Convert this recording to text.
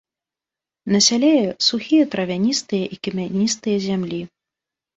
Насяляе сухія травяністыя і камяністыя зямлі.